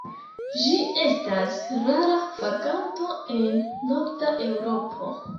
Ĝi estas rara vaganto en norda Eŭropo.